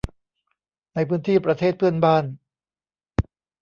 ในพื้นที่ประเทศเพื่อนบ้าน